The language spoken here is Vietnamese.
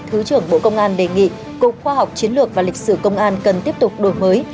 thứ trưởng bộ công an đề nghị cục khoa học chiến lược và lịch sử công an cần tiếp tục đổi mới